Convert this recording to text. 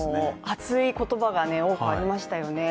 熱い言葉が多くありましたよね。